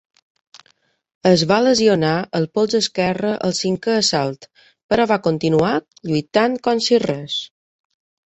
Es va lesionar el polze esquerre al cinquè assalt, però va continuar lluitant com si res.